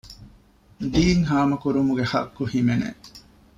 ދީން ހާމަކުރުމުގެ ޙައްޤު ހިމެނޭ